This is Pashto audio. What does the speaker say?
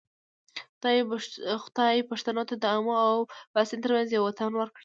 خدای پښتنو ته د آمو او باسین ترمنځ یو وطن ورکړی.